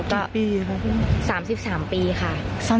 กี่ปีครับ